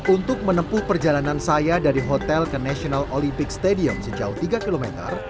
untuk menempuh perjalanan saya dari hotel ke national olympic stadium sejauh tiga kilometer